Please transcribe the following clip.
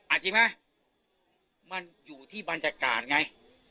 จริงไหมมันอยู่ที่บรรยากาศไง